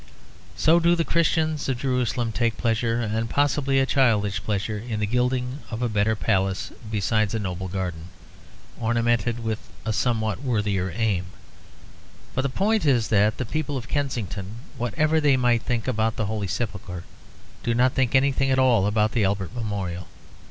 So do the Christians of Jerusalem take pleasure, and possibly a childish pleasure, in the gilding of a better palace, besides a nobler garden, ornamented with a somewhat worthier aim. But the point is that the people of Kensington, whatever they might think about the Holy Sepulchre, do not think anything at all about the Albert Memorial.